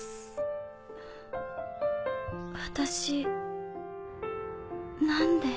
私何で？